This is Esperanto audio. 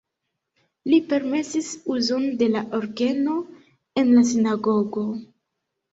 Li permesis uzon de la orgeno en la sinagogo.